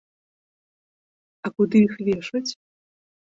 А куды іх вешаць?